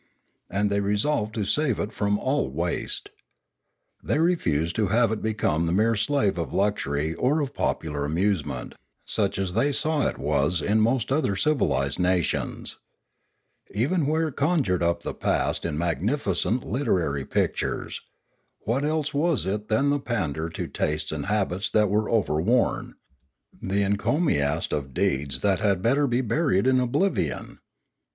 And they resolved to save it from all waste. They refused to have it become the mere slave of luxury or of popular amusement, such as they saw it was in most other civilised nations. 436 Pioneering 437 Even where it conjured up the past in magnificent literary pictures, what else was it than the pander to tastes and habits that were overworn, the encomiast of deeds that had better be buried in oblivion